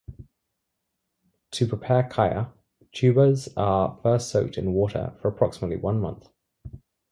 To prepare khaya, tubers are first soaked in water for approximately one month.